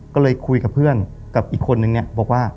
ก็เลยคุยกับเพื่อนกับอีกคนนึงเนี่ยบอกว่า